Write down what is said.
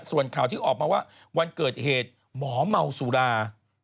ส่วนข่าวที่ออกมาว่าวันเกิดเหตุหมอเมาสุรา